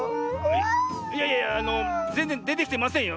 いやいやいやあのぜんぜんでてきてませんよ